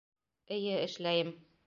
Эйе, эшләйем.